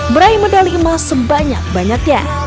meraih medali emas sebanyak banyaknya